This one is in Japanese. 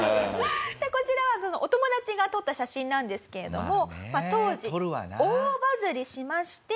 こちらはそのお友達が撮った写真なんですけれども当時大バズりしまして。